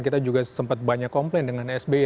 kita juga sempat banyak komplain dengan sby